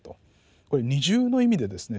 これ二重の意味でですね